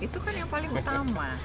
itu kan yang paling utama